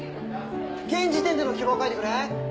現時点での希望を書いてくれ。